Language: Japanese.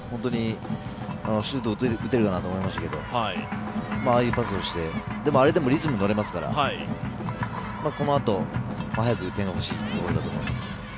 シュートを打てるかなと思いましたけど、ああいうパスをしてあれで、リズムに乗れますからこのあと、早く点がほしいところだと思います。